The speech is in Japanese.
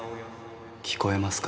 聞こえますか？